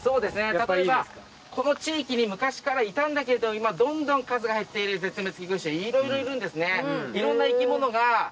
例えばこの地域に昔からいたんだけど今どんどん数が減っている絶滅危惧種いろいろいるんですね。